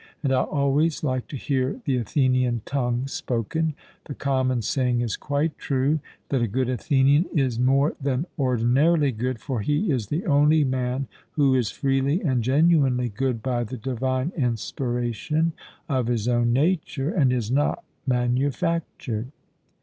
And I always like to hear the Athenian tongue spoken; the common saying is quite true, that a good Athenian is more than ordinarily good, for he is the only man who is freely and genuinely good by the divine inspiration of his own nature, and is not manufactured.